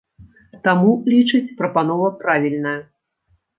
Таму, лічыць, прапанова правільная.